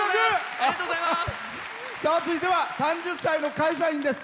続いては３０歳の会社員です。